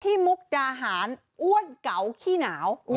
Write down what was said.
มุกดาหารอ้วนเก่าขี้หนาว